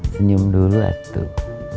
senyum dulu atuh